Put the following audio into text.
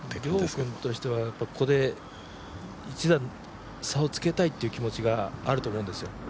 遼君としてはここで１打差をつけたいって気持ちがあると思うんですよ。